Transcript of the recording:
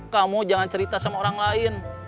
kamu jangan cerita sama orang lain